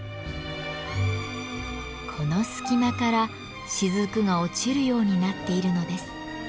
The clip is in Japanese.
この隙間から滴が落ちるようになっているのです。